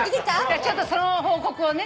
ちょっとその報告をね。